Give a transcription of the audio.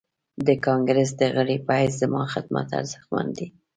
د کانګريس د غړي په حيث زما خدمت ارزښتمن دی.